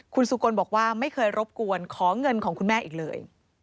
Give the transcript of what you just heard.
คุณสุกลบอกว่าไม่เคยรบกวนขอเงินของคุณแม่อีกเลย